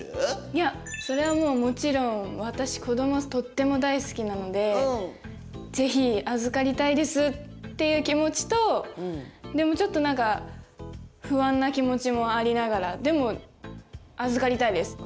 いやそれはもうもちろん私子どもとっても大好きなのでぜひ預かりたいですっていう気持ちとでもちょっと何か不安な気持ちもありながらでも預かりたいです！